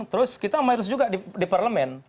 terus kita maris juga di parlemen